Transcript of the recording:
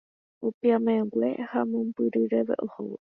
Opiã mbegue ha mombyryve ohóvo.